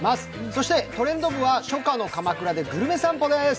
そして「トレンド部」は初夏の鎌倉でグルメ散歩です。